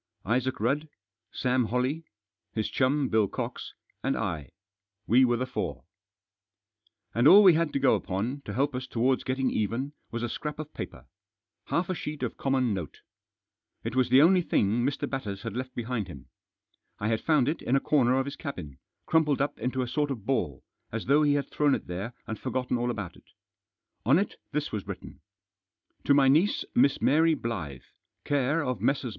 Isaac Rudd, Sam Holley, his chum, Bill Cox, and I ; we were the four. And all we had to go upon, to help us towards getting even, was a scrap of paper. Half a sheet of common note. Digitized by THE TERMINATION OP THE VOYAGE. 291 It was the only thing Mr. Batters had left behind him. I had found it in a corner of his cabin, crumpled up into a sort of ball, as though he had thrown it there and forgotten all about it On it this was written :" To my niece, Miss Mary Blyth, care of Messrs.